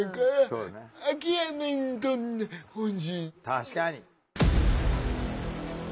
確かに。